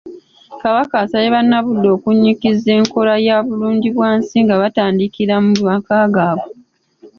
Kabaka asabye bannabuddu okunnyikiza enkola ya bulungibwansi nga batandikira mu maka gaabwe.